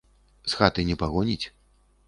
З хаты не пагоніць?